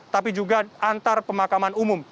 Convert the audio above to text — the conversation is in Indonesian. tapi juga antar pemakaman umum